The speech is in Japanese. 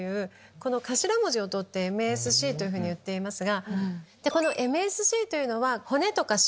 この頭文字を取ってＭＳＣと言っていますが。